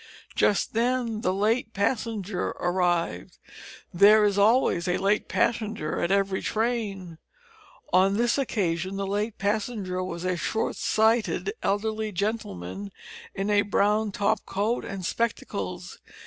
Just then the "late passenger" arrived. There is always a late passenger at every train. On this occasion the late passenger was a short sighted elderly gentleman in a brown top coat and spectacles.